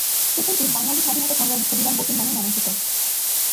স্টেশনটি বাঙালি স্বাধীনতা সংগ্রামী ক্ষুদিরাম বসুর নামে নামাঙ্কিত।